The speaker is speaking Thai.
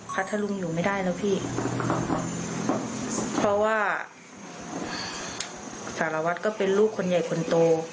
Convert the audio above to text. พัทธรุงหนูไม่ได้แล้วพี่เพราะว่าสารวัตรก็เป็นลูกคนใหญ่คนโต